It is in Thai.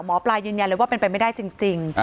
หมอปลายืนยันเลยว่าเป็นไปไม่ได้จริง